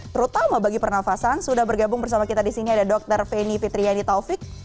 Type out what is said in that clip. terutama bagi pernafasan sudah bergabung bersama kita di sini ada dr feni fitriani taufik